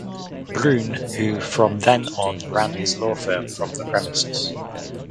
Bruun who from then on ran his law firm from the premises.